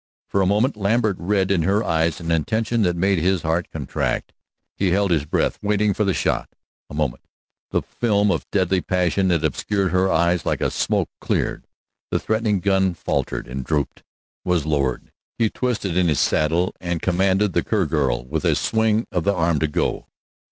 For a moment Lambert read in her eyes an intention that made his heart contract. He held his breath, waiting for the shot. A moment; the film of deadly passion that obscured her eyes like a smoke cleared, the threatening gun faltered, drooped, was lowered. He twisted in his saddle and commanded the Kerr girl with a swing of the arm to go.